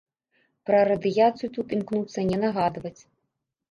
Пра радыяцыю тут імкнуцца не нагадваць.